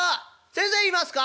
先生いますか？」。